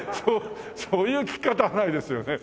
そういう聞き方はないですよね。